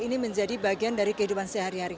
ini menjadi bagian dari kehidupan sehari hari